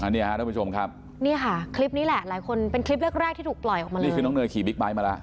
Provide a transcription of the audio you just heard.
นี่ค่ะคลิปนี้แหละหลายคนเป็นคลิปแรกที่ถูกปล่อยออกมานี่คือน้องเนยขี่บิ๊กไบท์มาแล้ว